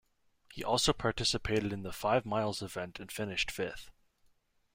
He also participated in the five miles event and finished fifth.